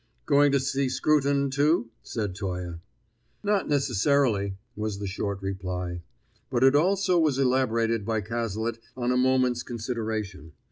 "Going to see Scruton, too?" said Toye. "Not necessarily," was the short reply. But it also was elaborated by Cazalet on a moment's consideration.